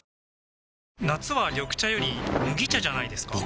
夏は緑茶より麦茶じゃないですか？